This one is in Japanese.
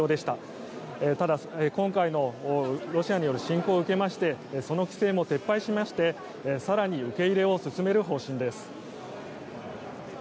ただ、今回のロシアによる侵攻を受けまして、その規制も撤廃しまして更に受け入れを進める方針です。